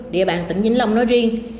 địa bàn tỉnh vĩnh long nói riêng